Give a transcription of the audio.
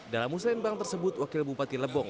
dalam musrembang tersebut wakil bupati lebong